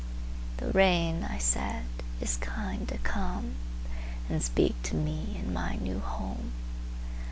The rain, I said, is kind to comeAnd speak to me in my new home.